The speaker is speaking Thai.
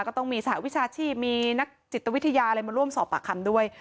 ก็ต้องมีสหวิชาชีพมีนักจิตวิทยาอะไรมาร่วมสอบปากคำด้วย